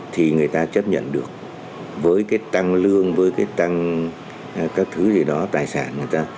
thì người ta chấp nhận được với cái tăng lương với cái tăng các thứ gì đó tài sản người ta